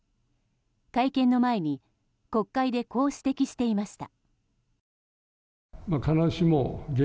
会見の前に国会でこう指摘していました。